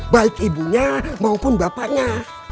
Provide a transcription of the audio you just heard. baik ibunya maupun bapaknya